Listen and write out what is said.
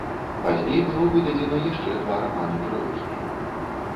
Пазней было выдадзена яшчэ два раманы трылогіі.